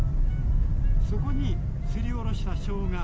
そこにすりおろしたしょうが